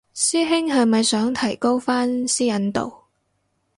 師兄係咪想提高返私隱度